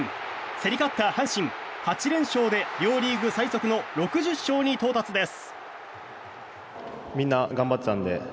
競り勝った阪神、８連勝で両リーグ最速の６０勝に到達です。